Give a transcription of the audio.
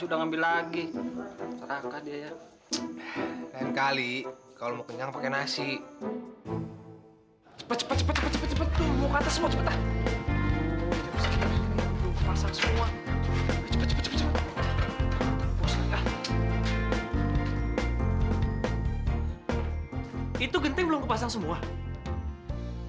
dia bisa ngelakuin apa aja kok pak